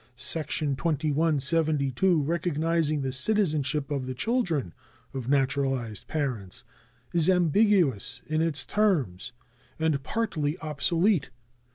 Section 2172, recognizing the citizenship of the children of naturalized parents, is ambiguous in its terms and partly obsolete.